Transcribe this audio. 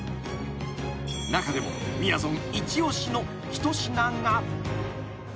［中でもみやぞん一押しの一品が］